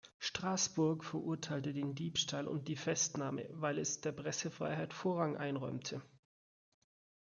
Straßburg verurteilte den Diebstahl und die Festnahme, weil es der Pressefreiheit Vorrang einräumte.